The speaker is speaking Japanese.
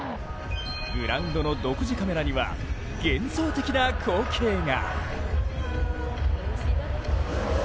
グラウンドの独自カメラには幻想的な光景が。